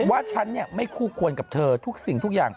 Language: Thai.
ว่าฉันไม่คู่ควรกับเธอทุกสิ่งทุกอย่าง